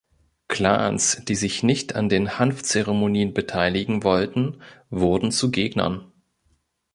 Clans, die sich nicht an den Hanf-Zeremonien beteiligen wollten, wurden zu Gegnern.